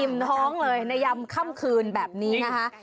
ท้องเลยในยำค่ำคืนแบบนี้นะคะ